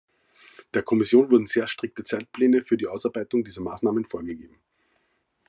Der Kommission wurden sehr strikte Zeitpläne für die Ausarbeitung dieser Maßnahmen vorgegeben.